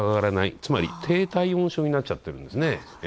つまり低体温症になっちゃってるんですね。